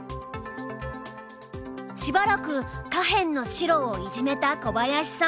しばらく下辺の白をイジメた小林さん。